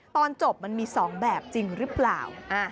ตอนจบมันมี๒แบบจริงหรือเปล่า